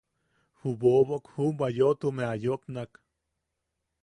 Ju bobok juʼubwa yoʼotume a yopnak: